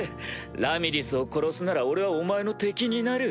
ラミリスを殺すなら俺はお前の敵になる。